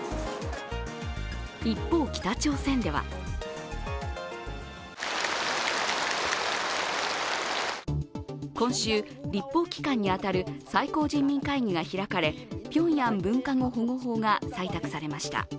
一方、北朝鮮では今週、立法機関に当たる最高人民会議が開かれ、平壌文化語保護法が採択されました。